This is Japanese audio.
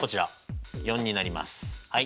はい。